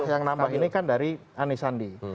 yang nambah ini kan dari anies sandi